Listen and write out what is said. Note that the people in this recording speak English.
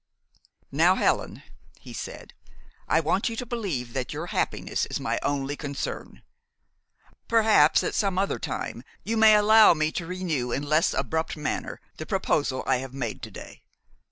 "Now, Helen," he said, "I want you to believe that your happiness is my only concern. Perhaps, at some other time, you may allow me to renew in less abrupt manner the proposal I have made to day.